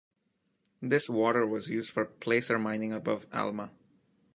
This water was used for placer mining above Alma.